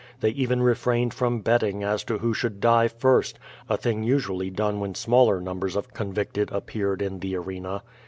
They even refrained from bet ting as to who should die first, a thing usually done when smaller numbers of convicted appeared in the arena.